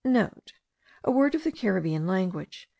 (* A word of the Caribbean language.